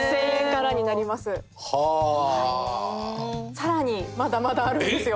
さらにまだまだあるんですよ。